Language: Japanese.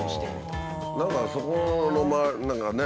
何かそこの何かね